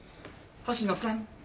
星野さん。